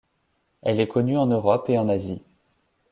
Elle est connue en Europe et en Asie.